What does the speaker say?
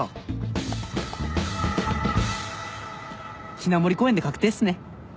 雛森公園で確定っすね。